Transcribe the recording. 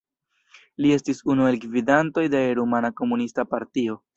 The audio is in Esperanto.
Li estis unu el gvidantoj de Rumana Komunista Partio.